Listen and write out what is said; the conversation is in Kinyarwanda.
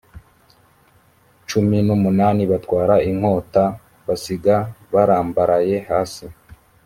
cumi n umunani batwara inkota d basiga barambaraye hasi